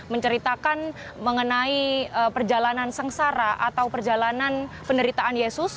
menceritakan mengenai perjalanan sengsara atau perjalanan penderitaan yesus